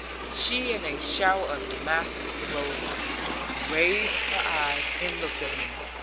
She in a shower of damask roses, raised her eyes and looked at me.